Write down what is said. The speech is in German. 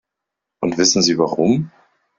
Und wissen Sie warum?